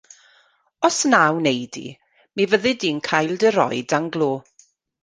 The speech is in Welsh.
Os na wnei di, mi fyddi di'n cael dy roi dan glo.